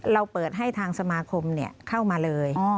เราเปิดให้ทางสมาคมเข้ามาเลย